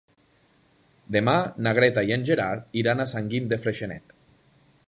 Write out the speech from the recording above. Demà na Greta i en Gerard iran a Sant Guim de Freixenet.